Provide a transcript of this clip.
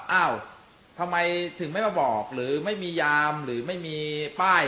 เอ้าทำไมถึงไม่มาบอกหรือไม่มียามหรือไม่มีป้าย